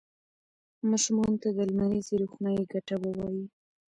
ماشومانو ته د لمریزې روښنايي ګټې ووایئ.